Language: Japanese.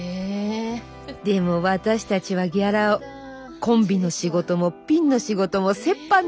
でも私たちはギャラをコンビの仕事もピンの仕事も折半にしているのです。